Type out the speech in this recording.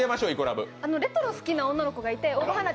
レトロ好きな女の子がいて。